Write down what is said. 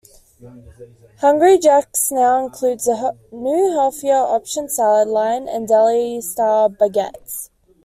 Hungry Jack's now includes new healthier option salad line and deli style baguettes.